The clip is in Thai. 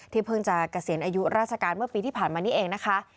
เพิ่งจะเกษียณอายุราชการเมื่อปีที่ผ่านมานี่เองนะคะ